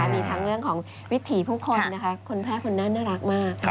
มีทั้งเรื่องของวิถีผู้คนนะคะคนคนแรกคนนั้นน่ารักมาก